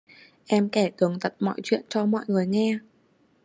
Em kể tường tận mọi chuyện cho mọi người nghe